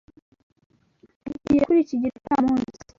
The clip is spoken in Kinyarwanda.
Tugiye kuri iki gicamunsi.